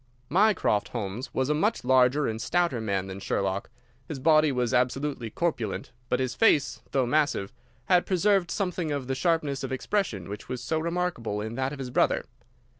Mycroft Holmes was a much larger and stouter man than Sherlock. His body was absolutely corpulent, but his face, though massive, had preserved something of the sharpness of expression which was so remarkable in that of his brother.